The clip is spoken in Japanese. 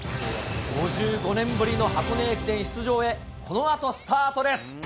５５年ぶりの箱根駅伝出場へ、このあと、スタートです。